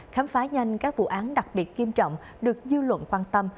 khám phá nhanh các vụ án đặc biệt kiêm trọng được dư luận quan tâm